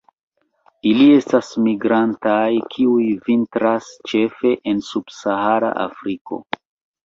Ili estas migrantaj, kiuj vintras ĉefe en subsahara Afriko.